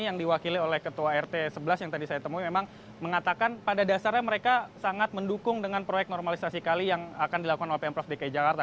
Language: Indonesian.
yang diwakili oleh ketua rt sebelas yang tadi saya temui memang mengatakan pada dasarnya mereka sangat mendukung dengan proyek normalisasi kali yang akan dilakukan oleh pemprov dki jakarta